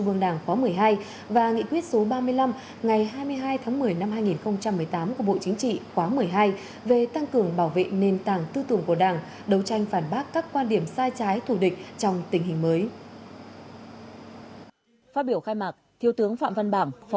ban chấp hành trung vương đảng khóa một mươi hai và nghị quyết số ba mươi năm ngày hai mươi hai tháng một mươi năm hai nghìn hai mươi